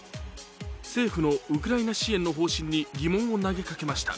政府のウクライナ支援の方針に疑問を投げかけました。